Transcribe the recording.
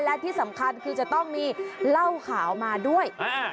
และที่สำคัญคือจะต้องมีเหล้าขาวมาด้วย